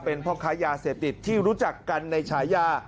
เป็นพ่อค้ายาเสพติดที่รู้จักกันในฉายา